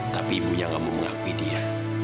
tapi ibunya gak mau mengakui dia